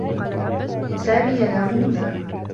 سامي ينام هنا.